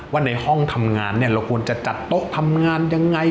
ว่าในห้องทำงานเนี่ยเราควรจะจัดโต๊ะทำงานยังไง